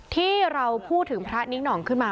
ที่เราพูดถึงพระนิ้งหน่องขึ้นมา